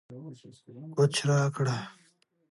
کوچ راکړه